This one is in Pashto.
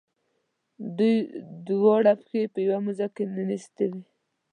دوی دواړه پښې په یوه موزه کې ننویستي دي.